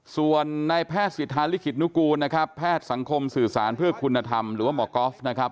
ส่วนในแพทย์สิทธาลิขิตนุกูลนะครับแพทย์สังคมสื่อสารเพื่อคุณธรรมหรือว่าหมอก๊อฟนะครับ